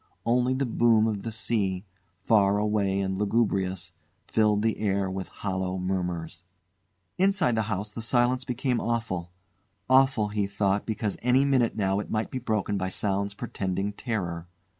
Only the boom of the sea, far away and lugubrious, filled the air with hollow murmurs. Inside the house the silence became awful; awful, he thought, because any minute now it might be broken by sounds portending terror.